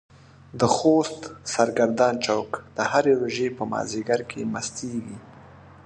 د خوست سرګردان چوک د هرې روژې په مازديګر کې مستيږي.